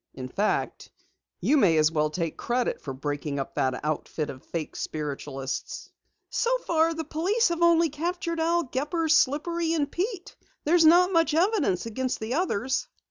"In fact, you may as well take credit for breaking up that outfit of fake spiritualists." "So far the police have only captured Al Gepper, Slippery and Pete. There's not much evidence against the others."